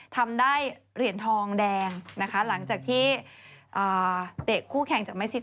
ทำได้เหรียญทองแดงนะคะหลังจากที่เตะคู่แข่งจากเมซิส